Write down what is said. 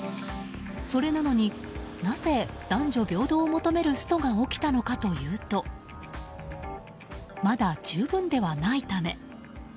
それなのになぜ男女平等を求めるストが起きたのかというとまだ十分ではないため。